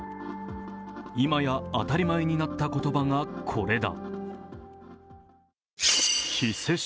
今や当たり前になった言葉が、これだ。